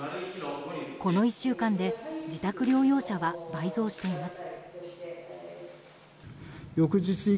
この１週間で自宅療養者は倍増しています。